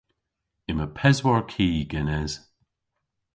Yma peswar ki genes.